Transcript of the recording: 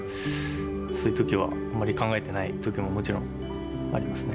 そういうときは、あまり考えていないときももちろんありますね。